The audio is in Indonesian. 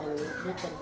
baru baru mereka nih